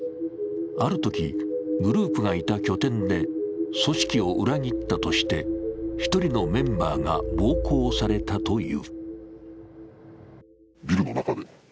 あるとき、グループがいた拠点で組織を裏切ったとして一人のメンバーが暴行されたという。